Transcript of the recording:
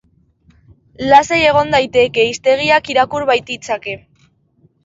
Lasai egon daiteke, hiztegiak irakur baititzake.